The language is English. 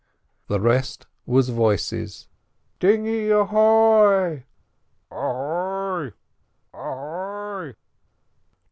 The rest was voices. "Dinghy ahoy!"